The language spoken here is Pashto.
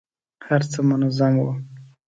هر څه منظم وو.